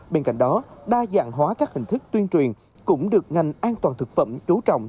bên cạnh đó đa dạng hóa các hình thức tuyên truyền cũng được ngành an toàn thực phẩm chú trọng